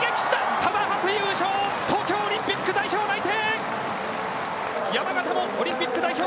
多田、初優勝、東京オリンピック代表内定。